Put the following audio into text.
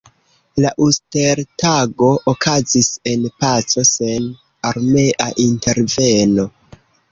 La Uster-Tago okazis en paco sen armea interveno.